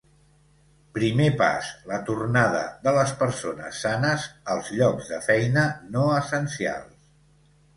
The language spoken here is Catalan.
Primer pas: la tornada de les persones sanes als llocs de feina no essencials.